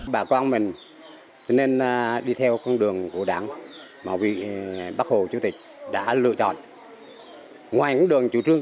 bà con mình nên đi theo con đường của đảng mà bác hồ chủ tịch đã lựa chọn ngoài đường chủ trương